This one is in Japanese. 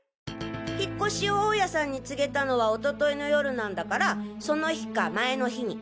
引っ越しを大家さんに告げたのはおとといの夜なんだからその日か前の日に。